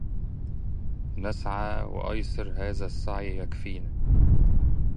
نسعى وأيسر هذا السعي يكفينا